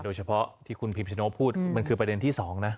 โดยเฉพาะที่คุณพิมชโนพูดมันคือประเด็นที่๒นะ